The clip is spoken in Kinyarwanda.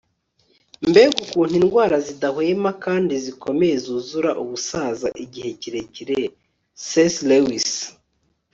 mbega ukuntu indwara zidahwema kandi zikomeye zuzura ubusaza igihe kirekire - c s lewis